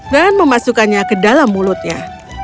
memasukkannya ke dalam mulutnya